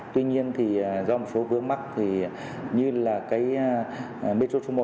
tuy nhiên thì do một số vướng mắt thì như là cái metro số một